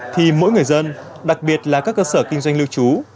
thì mỗi người dân đặc biệt là các cơ sở kinh doanh lưu trú